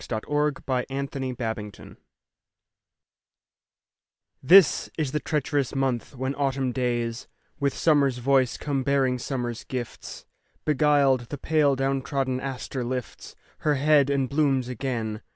Helen Hunt Jackson November THIS is the treacherous month when autumn days With summer's voice come bearing summer's gifts. Beguiled, the pale down trodden aster lifts Her head and blooms again.